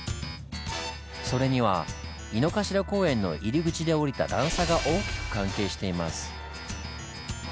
それには井の頭公園の入り口で下りた段差が大きく関係しています。